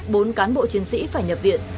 các cán bộ chiến sĩ phải nhập viện